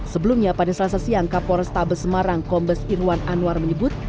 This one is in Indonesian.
sebelumnya pada selasa siang kapolres tabes semarang kombes irwan anwar menyebut